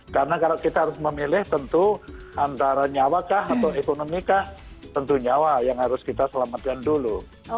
karena kalau kita harus memilih tentu antara nyawakah atau ekonomikah tentu nyawa yang harus kita selamatkan dulu